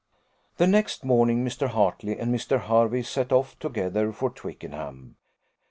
The next morning, Mr. Hartley and Mr. Hervey set off together for Twickenham.